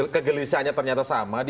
kegelisahannya ternyata sama